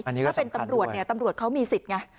อันนี้ก็สำคัญด้วยถ้าเป็นตำรวจตำรวจเขามีสิทธิ์ไง